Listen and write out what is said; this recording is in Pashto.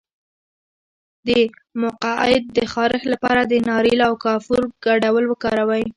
د مقعد د خارښ لپاره د ناریل او کافور ګډول وکاروئ